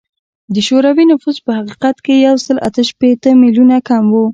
د شوروي نفوس په حقیقت کې له یو سل اته شپیته میلیونه کم و